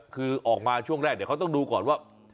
คือออกมาช่วงแรกเดี๋ยวเขาต้องดูก่อนว่า